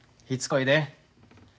ひつこいで。